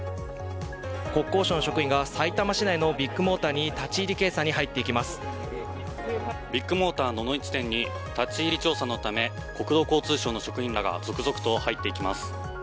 国交省の職員が、さいたま市内のビッグモーターにビッグモーター野々市店に立ち入り検査のため、国土交通省の職員らが続々と入っていきます。